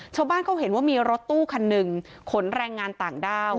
ชาวบ้านเขาเห็นว่ามีรถตู้คันหนึ่งขนแรงงานต่างด้าว